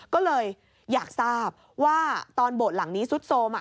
ก็เลยอยากทราบว่าตอนโบสถ์หลังนี้ซุดโทรม